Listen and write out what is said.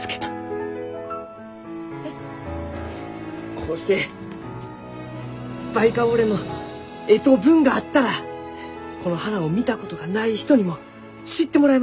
こうしてバイカオウレンの絵と文があったらこの花を見たことがない人にも知ってもらえます！